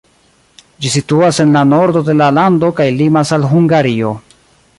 Ĝi situas en la nordo de la lando kaj limas al Hungario.